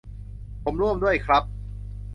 ผมร่วมด้วยครับ